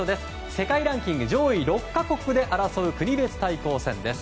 世界ランキング上位６か国で争う国別対抗戦です。